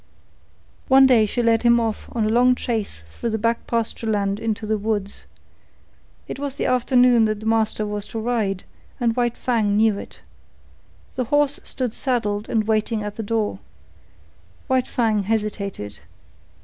One day she led him off on a long chase through the back pasture land into the woods. It was the afternoon that the master was to ride, and White Fang knew it. The horse stood saddled and waiting at the door. White Fang hesitated.